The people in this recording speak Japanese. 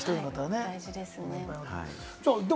大事ですね。